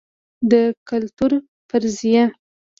د کلتور فرضیه